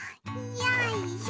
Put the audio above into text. よいしょ。